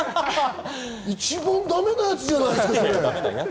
一番だめなやつじゃないですか。